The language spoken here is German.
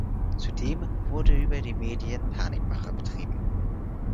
Zudem wurde über die Medien Panikmache betrieben.